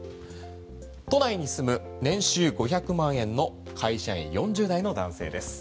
都内に住む年収５００万円の会社員４０代の男性です。